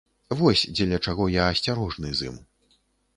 Вось дзеля чаго я асцярожны з ім.